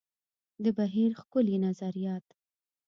د بهیر ښکلي نظریات.